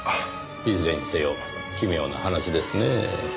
いずれにせよ奇妙な話ですねぇ。